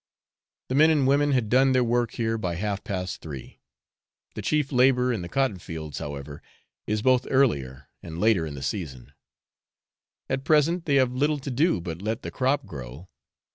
The men and women had done their work here by half past three. The chief labour in the cotton fields, however, is both earlier and later in the season. At present they have little to do but let the crop grow.